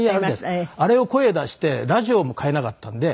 あれを声出してラジオも買えなかったんで。